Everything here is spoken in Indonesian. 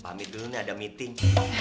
pamit dulu ini ada meeting